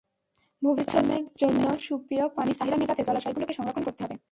ভবিষ্যৎ প্রজন্মের জন্য সুপেয় পানির চাহিদা মেটাতে জলাশয়গুলোকে সংরক্ষণ করতে হবে।